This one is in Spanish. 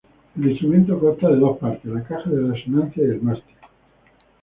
El instrumento consta de dos partes: la caja de resonancia y el mástil.